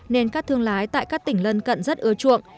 nên các thương lái tại các tỉnh lân cận rất ưa chuộng